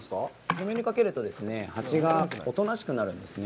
煙りかけると、蜂がおとなしくなるんですね。